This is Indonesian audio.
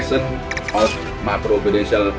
atau pengembangan likuiditas makrobudensial